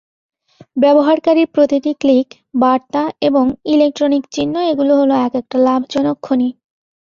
ব্যবহারকারীর প্রতিটি ক্লিক, বার্তা এবং ইলেকট্রনিক চিহ্ন এগুলো হলো একেকটা লাভজনক খনি।